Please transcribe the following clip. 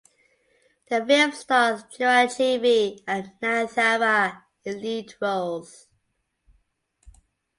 The film stars Chiranjeevi and Nayanthara in lead roles.